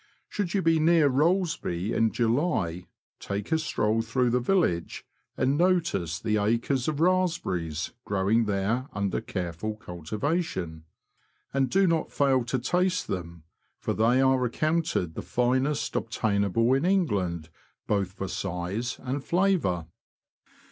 Should you be near RoUesby in July, take a stroll through the village, and notice the acres of raspberries growing there under careful cultivation ; and do not fail to taste them, for Yellow Water Lily, they are accounted the finest obtainable in England, both for size and flavour.